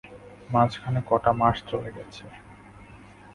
মাঝখানে কটা মাস চলে গেছে।